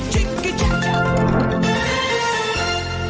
สวัสดีค่ะ